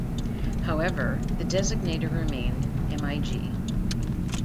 However, the designator remained "MiG".